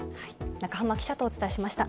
中濱記者とお伝えしました。